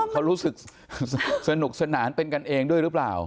เขารู้สึกสนุกสนานเป็นกันเองด้วยหรือเปล่า